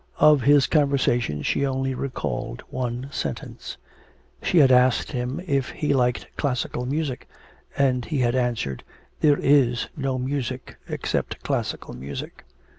Of his conversation she only recalled one sentence. She had asked him if he liked classical music, and he had answered, 'There is no music except classical music.'